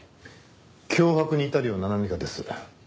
脅迫に至るような何かです。